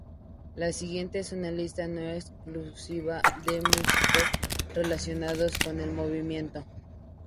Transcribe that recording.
La siguiente es una lista no exhaustiva de músicos relacionados con el movimiento.